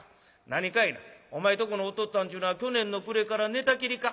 何かいなお前とこのお父っつぁんっちゅうのは去年の暮れから寝たきりか？」。